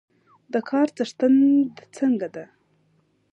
د کار څښتن د څنګه ده؟